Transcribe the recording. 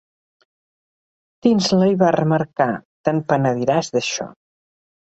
Tinsley va remarcar, "t'en penediràs d'això.